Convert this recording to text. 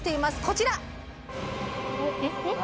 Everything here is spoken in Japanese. こちら！